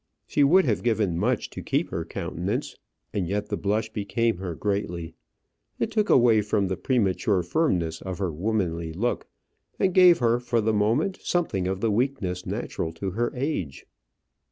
She would have given much to keep her countenance, and yet the blush became her greatly. It took away from the premature firmness of her womanly look, and gave her for the moment something of the weakness natural to her age.